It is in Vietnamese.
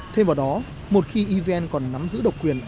thêm vào đó một khi evn còn nắm giữ độc quyền